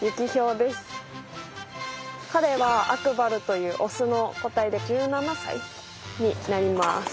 彼はアクバルというオスの個体で１７歳になります。